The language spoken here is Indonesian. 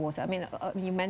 anda sudah menyebutkan